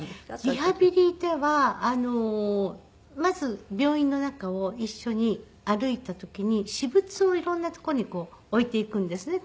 リハビリではまず病院の中を一緒に歩いた時に私物を色んな所に置いていくんですね。